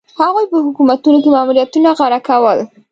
هغوی په حکومتونو کې ماموریتونه غوره کړل.